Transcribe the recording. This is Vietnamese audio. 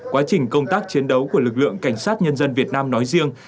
quá trình công tác chiến đấu của lực lượng cảnh sát nhân dân việt nam nói riêng